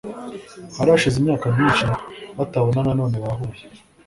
hari hashize imyaka myinshi batabonana none bahuye